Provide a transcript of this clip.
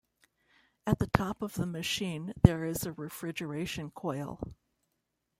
At the top of the machine there is a refrigeration coil.